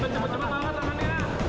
cepat cepat banget tangannya